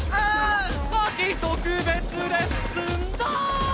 「夏季特別レッスンだ」